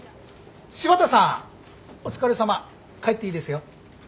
柴田さんお疲れさま帰っていいですよ。